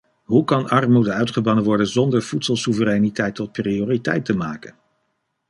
Hoe kan armoede uitgebannen worden zonder voedselsoevereiniteit tot prioriteit te maken?